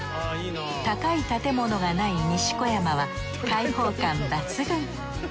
高い建物がない西小山は開放感抜群！